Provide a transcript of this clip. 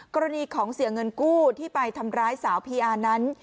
กรณีของเสียเงินกู้ที่ไปทำร้ายสาวพีอาร์นั้น